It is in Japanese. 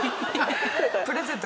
プレゼント